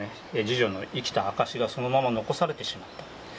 次女の生きた証しがそのまま残されてしまった。